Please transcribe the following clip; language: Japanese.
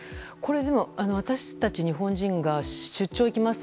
私たち日本人が出張行きます